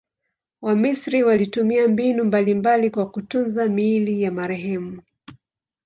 Wamisri walitumia mbinu mbalimbali kwa kutunza miili ya marehemu.